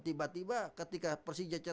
tiba tiba ketika persibanya datang